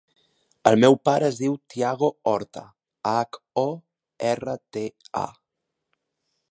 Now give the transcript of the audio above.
El meu pare es diu Thiago Horta: hac, o, erra, te, a.